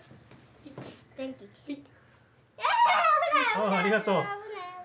あっありがとう。